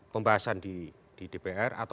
pembahasan di dpr atau proses legislatif